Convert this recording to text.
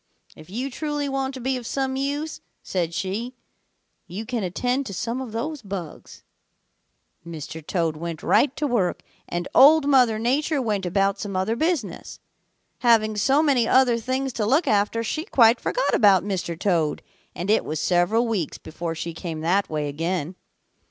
'If you truly want to be of some use,' said she, 'you can attend to some of those bugs.' "Mr. Toad went right to work, and Old Mother Nature went about some other business. Having so many other things to look after, she quite forgot about Mr. Toad, and it was several weeks before she came that way again.